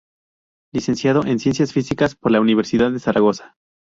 Licenciado en Ciencias Físicas por la Universidad de Zaragoza.